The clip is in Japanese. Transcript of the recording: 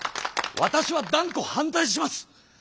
わたしは断固反対します！